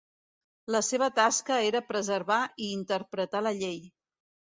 La seva tasca era preservar i interpretar la llei.